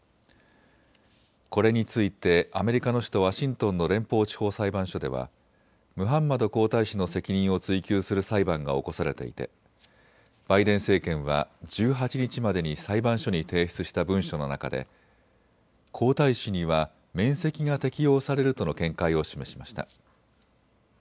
これについてアメリカの首都ワシントンの連邦地方裁判所ではムハンマド皇太子の責任を追及する裁判が起こされていてバイデン政権は１８日までに裁判所に提出した文書の中で皇太子には免責が適用されるとの見解を示しました。